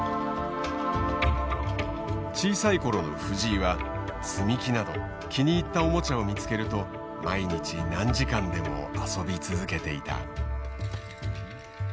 小さい頃の藤井は積み木など気に入ったおもちゃを見つけると毎日何時間でも遊び続けていた。